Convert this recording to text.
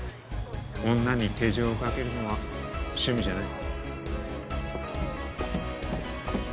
女に手錠をかけるのは趣味じゃない。